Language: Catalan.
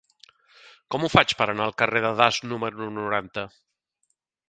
Com ho faig per anar al carrer de Das número noranta?